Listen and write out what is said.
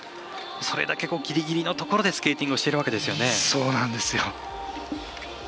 それだけギリギリのところでスケーティングをしてるわけですよね。